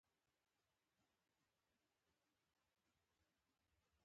دلته خدای دې یې وبښي معترضه جمله ده.